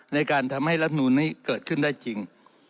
ในการทำให้รับนูนนี้เกิดขึ้นได้จริง